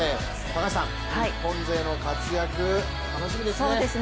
高橋さん、日本勢の活躍楽しみですね？